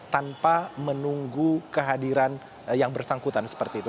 tanpa menunggu kehadiran yang bersangkutan seperti itu